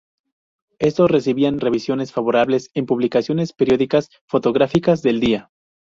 Estos recibían revisiones favorables en publicaciones periódicas fotográficas del día.